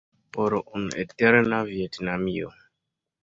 Por unu eterna Vjetnamio.